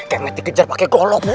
kemet dikejar pakai golok bu